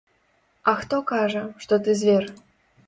А хто кажа, што ты звер?